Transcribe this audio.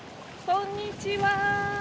こんにちは！